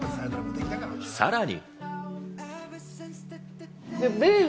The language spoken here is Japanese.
さらに。